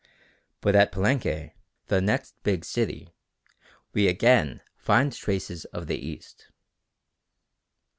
But at Palenque, the next big city, we again find traces of the East.